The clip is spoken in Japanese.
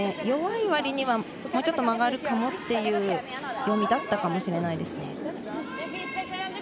弱い割にはもうちょっと曲がるかもという読みだったかもしれないです。